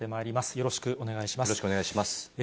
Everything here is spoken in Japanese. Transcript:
よろしくお願いします。